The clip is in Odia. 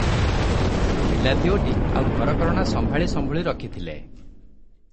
ପିଲା ଦିଓଟି ଆଉ ଘରକରଣା ସମ୍ଭାଳିସମ୍ଭୁଳି ରଖିଥିଲେ ।